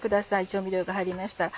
調味料が入りましたら。